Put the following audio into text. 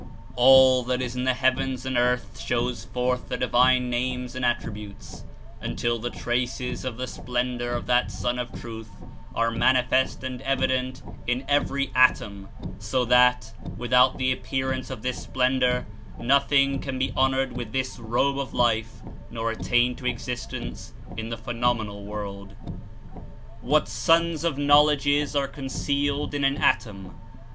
'^All that is in the heavens and earth shows forth the Divine Names and Attributes until the traces of the splendor of that Sun of Truth are manifest and evident in every atom; so that, ivithout the appear ance of this splendor, nothing can be honored with this robe of life nor attain to existence in the phenom enal world. JVhat suns of knowledges are concealed in an atom!